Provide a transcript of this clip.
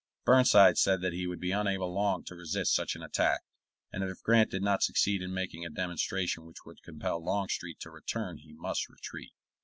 Burnside said that he would be unable long to resist such an attack, and that if Grant did not succeed in making a demonstration which would compel Longstreet to return he must retreat.